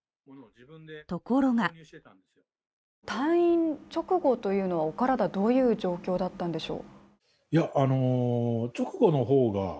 ところが退院直後というのは、お体どういう状況だったんでしょう？